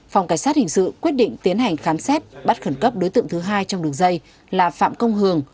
phòng cảnh sát hình sự quyết định tiến hành khám xét bắt khẩn cấp đối tượng thứ hai trong đường dây là phạm công hường